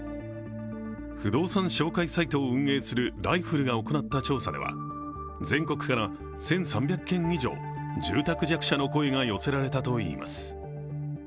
不動産紹介サイトを運営するＬＩＦＵＬＬが行った調査では全国から１３００件以上住宅弱者の声が寄せられたといいます。